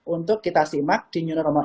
untuk kita simak di new normal